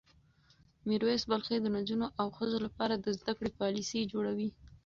میر ویس بلخي د نجونو او ښځو لپاره د زده کړې پالیسۍ جوړوي.